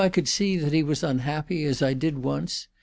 could see that he was unhappy, as I did once!